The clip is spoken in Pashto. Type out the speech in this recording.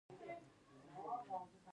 ایا ویلچیر کاروئ؟